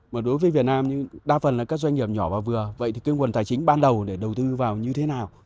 mà đối với việt nam đa phần là các doanh nghiệp nhỏ và vừa vậy thì cái nguồn tài chính ban đầu để đầu tư vào như thế nào